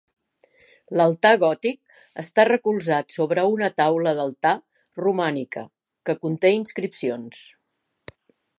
L'altar gòtic està recolzat sobre una taula d’altar romànica que conté inscripcions.